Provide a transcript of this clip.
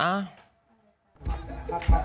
โอ้โอ้โอ้